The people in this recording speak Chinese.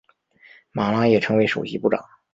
马拉也成为首席部长。